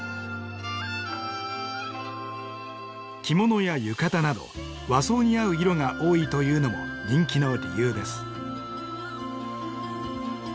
着物や浴衣など和装に合う色が多いというのも人気の理由です。